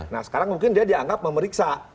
nah sekarang mungkin dia dianggap memeriksa